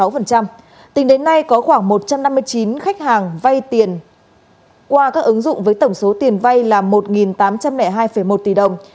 tính đến nay có khoảng một trăm năm mươi chín khách hàng vay tiền qua các ứng dụng với tổng số tiền vay là một tám trăm linh hai một tỷ đồng